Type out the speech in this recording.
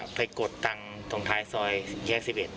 ก็ว่าไปกดตังค์ตรงท้ายซอย๒๑